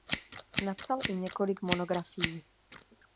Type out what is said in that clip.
Napsal i několik monografií.